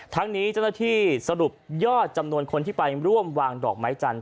ทั้งนี้เจ้าหน้าที่สรุปยอดจำนวนคนที่ไปร่วมวางดอกไม้จันท